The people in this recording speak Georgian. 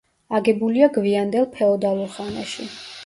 აგებულია გვიანდელ ფეოდალურ ხანაში.